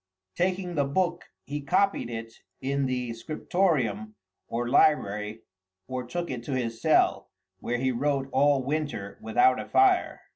Taking the book, he copied it in the Scriptorium or library, or took it to his cell, where he wrote all winter without a fire.